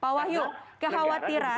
pak wahyu kekhawatiran